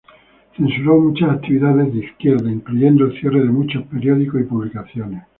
Censuró muchas actividades de izquierda, incluyendo el cierre de muchos periódicos y publicaciones.